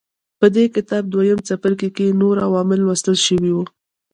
په دې کتاب دویم څپرکي کې نور عوامل لوستل شوي وو.